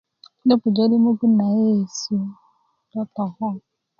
do pujö mugun na yeyesu totoko